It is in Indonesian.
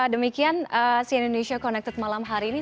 demikian cn indonesia connected malam hari ini